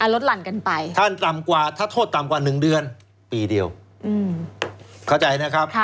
ลดหลั่นกันไปถ้าโทษต่ำกว่า๑เดือนปีเดียวเข้าใจนะครับ